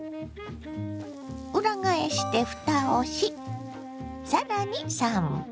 裏返してふたをし更に３分。